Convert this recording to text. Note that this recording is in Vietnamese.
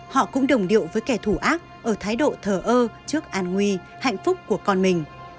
họ cũng đồng điệu với kẻ thù ác ở thái độ thờ ơ trước an nguy hạnh phúc của con mình